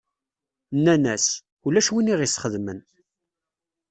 Nnan-as: Ulac win i ɣ-isxedmen.